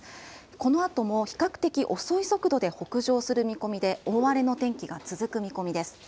このあとも比較的遅い速度で北上する見込みで、大荒れの天気が続く見込みです。